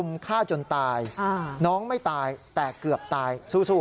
ฆ่าจนตายน้องไม่ตายแต่เกือบตายสู้